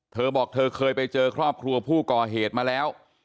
เธอบอกเธอเคยไปเจอครอบครัวผู้ก่อเหตุมาแล้ว